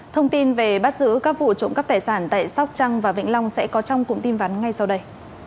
thông tin về bắt giữ các vụ trộm cắp tài sản tại sóc trăng và vĩnh long sẽ có trong cụm tin vắn ngay sau đây